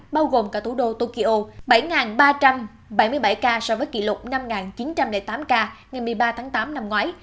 bao gồm cả thủ đô tokyo bảy ba trăm bảy mươi bảy ca so với kỷ lục năm chín trăm linh tám ca ngày một mươi ba tháng tám năm ngoái